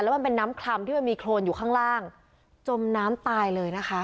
มันเป็นน้ำคลำที่มันมีโครนอยู่ข้างล่างจมน้ำตายเลยนะคะ